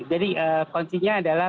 jadi kuncinya adalah